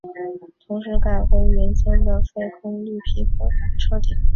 同时改回原先的非空绿皮车底。